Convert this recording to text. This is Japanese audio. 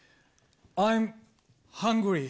アイムハングリー。